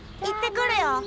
行ってくるよ。